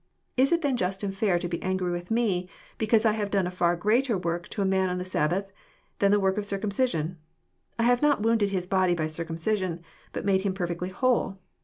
Is it then just and fair to be angry with me, because I have done a far gfeater work to a mau on the Sabbath, than the work of circumeision ? I have not wounded his body by circumcision, bxrt made him perfectly whole.